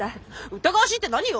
疑わしいって何よ。